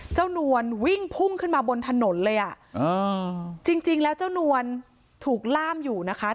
นวลวิ่งพุ่งขึ้นมาบนถนนเลยอ่ะอ่าจริงจริงแล้วเจ้านวลถูกล่ามอยู่นะคะ